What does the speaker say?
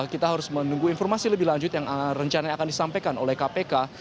kita harus menunggu informasi lebih lanjut yang rencananya akan disampaikan oleh kpk